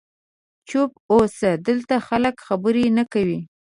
چوپ اوسه، دلته خلک خبرې نه کوي.